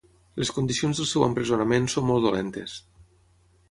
Les condicions del seu empresonament són molt dolentes.